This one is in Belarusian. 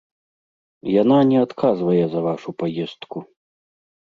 Яна не адказвае за вашу паездку.